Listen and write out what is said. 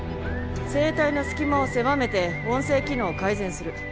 声帯の隙間を狭めて音声機能を改善する。